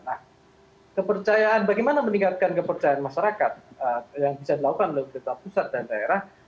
nah kepercayaan bagaimana meningkatkan kepercayaan masyarakat yang bisa dilakukan oleh pemerintah pusat dan daerah